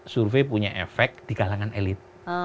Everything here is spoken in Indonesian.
survei punya efek di kalangan elit